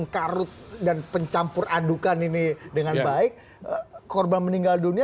kami akan segera kembali